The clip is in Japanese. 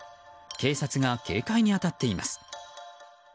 警察が警戒に当たっています。